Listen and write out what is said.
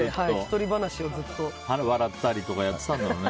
笑ったりやってたんだろうね。